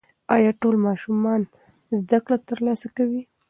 ایا ټول ماشومان زده کړه ترلاسه کوي؟